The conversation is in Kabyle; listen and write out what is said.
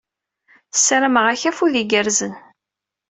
Ssarameɣ-ak afud igerrzen.